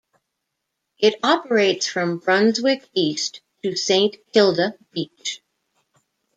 It operates from Brunswick East to Saint Kilda Beach.